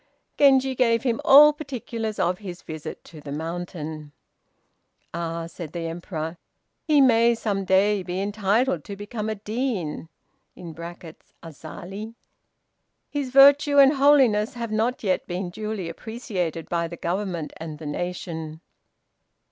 Genji gave him all particulars of his visit to the mountain. "Ah!" said the Emperor, "he may some day be entitled to become a dean (Azali). His virtue and holiness have not yet been duly appreciated by the government and the nation."